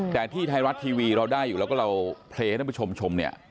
แต่ที่ไทยรัฐทีวีเราได้อยู่แล้วก็เราเพลย์ให้ท่านผู้ชมชมเนี่ย